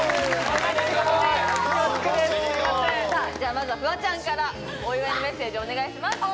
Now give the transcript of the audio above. まずはフワちゃんからお祝いのメッセージをお願いします。